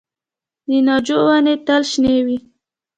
د ناجو ونې تل شنې وي؟